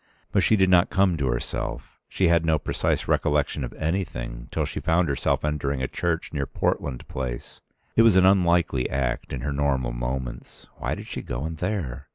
But she did not come to herself, she had no precise recollection of anything, till she found herself entering a church near Portland Place. It was an unlikely act in her normal moments. Why did she go in there?